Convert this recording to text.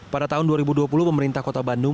pada tahun dua ribu dua puluh pemerintah kota bandung